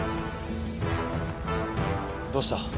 どうした？